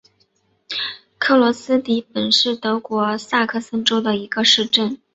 格罗斯迪本是德国萨克森州的一个市镇。